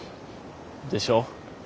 でしょ？